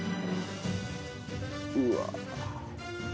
うわ。